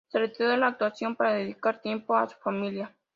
Se retiró de la actuación para dedicar tiempo a su familia.